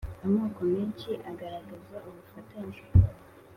amoko menshi agaragaraza ubufatanye